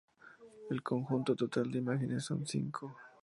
El conjunto total de imágenes son cinco.